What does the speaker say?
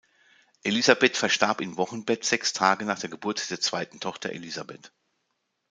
Elisabeth verstarb im Wochenbett sechs Tage nach der Geburt der zweiten Tochter Elisabeth.